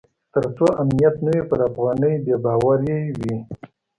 تر څو امنیت نه وي پر افغانۍ بې باوري وي.